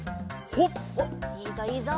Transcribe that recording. ほっ！